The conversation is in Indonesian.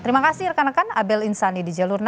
terima kasih rekan rekan abel insani di jalur